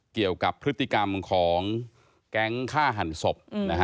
เกี่ยวกับพฤติกรรมของแก๊งฆ่าหันศพ